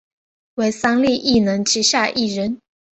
为三立艺能旗下艺人。